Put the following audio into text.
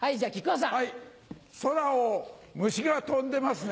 空を虫が飛んでますね。